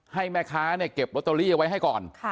ให้แม่ค้าเนี่ยเก็บลอตเตอรี่เอาไว้ให้ก่อน